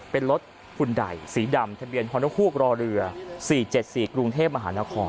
เป็นรถหุ่นใดสีดำทะเบียนฮอนกฮูกรอเรือ๔๗๔กรุงเทพมหานคร